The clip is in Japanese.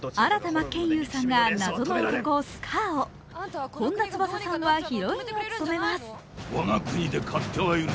真剣佑さんが謎の男スカーを、本田翼さんはヒロインを務めます。